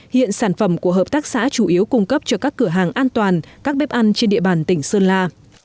hiện sản phẩm của hợp tác xã chủ yếu cung cấp cho các cửa hàng an toàn các bếp ăn trên địa bàn tỉnh sơn la